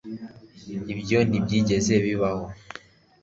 Ibyo ntibyigeze bibaho